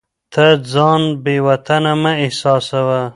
ته ځان بې وطنه مه احساسوه.